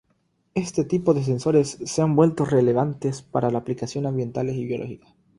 Este tipo de sensores se han vuelto relevantes para aplicaciones ambientales y biológicas.